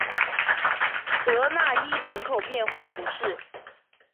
特讷伊人口变化图示